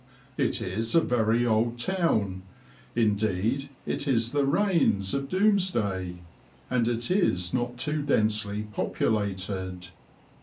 It is a very old town, indeed it is the Raines of Domesday, and it is not too densely populated.